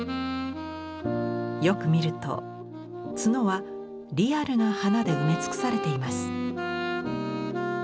よく見ると角はリアルな花で埋め尽くされています。